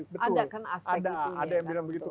betul ada yang bilang begitu